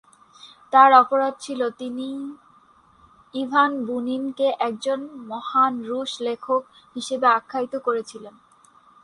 তার অপরাধ ছিল তিনি ইভান বুনিন-কে একজন "মহান রুশ লেখক" হিসেবে আখ্যায়িত করেছিলেন।